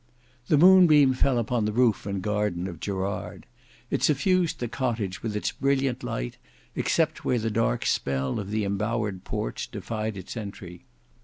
The moonbeam fell upon the roof and garden of Gerard. It suffused the cottage with its brilliant light, except where the dark depth of the embowered porch defied its entry.